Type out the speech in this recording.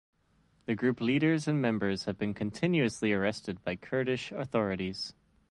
The group leaders and members have been continuously arrested by Kurdish authorities.